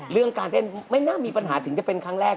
เรื่องการเต้นไม่น่ามีปัญหาถึงจะเป็นครั้งแรก